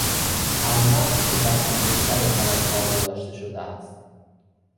الماسی که در انگشتر طلا کار گذاشته شده است